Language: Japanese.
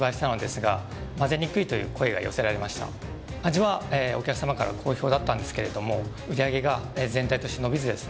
味はお客様から好評だったんですけれども売り上げが全体として伸びずですね